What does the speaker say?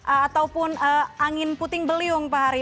ataupun angin puting beliung pak hari